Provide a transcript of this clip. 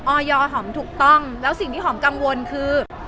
อยหอมถูกต้องแล้วสิ่งที่หอมกังวลคือ